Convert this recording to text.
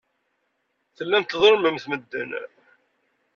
Tellamt tḍellmemt medden.